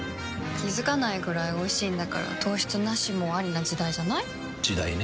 気付かないくらいおいしいんだから糖質ナシもアリな時代じゃない？時代ね。